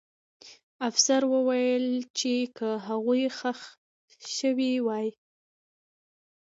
افسر وویل چې که هغوی ښخ سوي وای.